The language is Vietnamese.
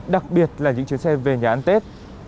đặc biệt là những chuyến xe về nhà ăn tết